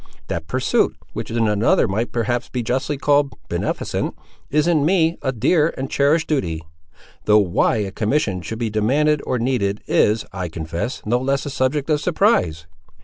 That pursuit, which in another might perhaps be justly called beneficent, is, in me, a dear and cherished duty; though why a commission should be demanded or needed is, I confess, no less a subject of surprise."